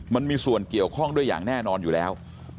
มันมีส่วนเกี่ยวข้องด้วยอย่างแน่นอนอยู่แล้ว